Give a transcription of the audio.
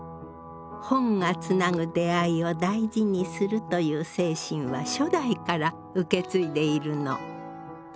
本がつなぐ出会いを大事にするという精神は初代から受け継いでいるの。